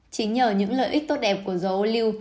chính nhờ những lợi ích tốt đẹp của dầu ô lưu